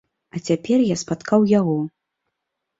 А цяпер я спаткаў яго.